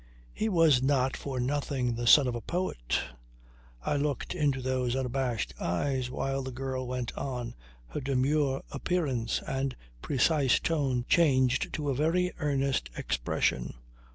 He was not for nothing the son of a poet. I looked into those unabashed eyes while the girl went on, her demure appearance and precise tone changed to a very earnest expression.